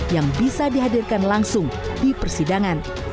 yang bisa dihadirkan langsung di persidangan